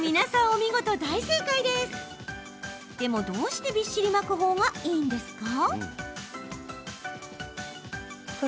でも、どうして、びっしりまくほうがいいんですか？